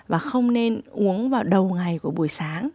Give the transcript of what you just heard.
và không nên uống vào đầu ngày của buổi sáng